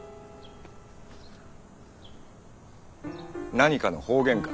何かの方言か？